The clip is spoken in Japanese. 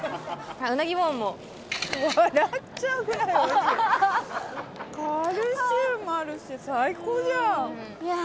うなぎボンも笑っちゃうぐらいおいしいカルシウムあるし最高じゃんいや